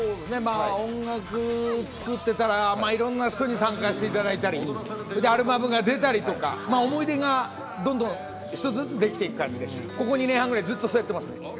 音楽作ってたら、まぁいろんな人に参加していただいたり、アルバムが出たりとか、思い出がどんどん一つずつできていく感じで、ここ２年半ぐらいずっとやってますね。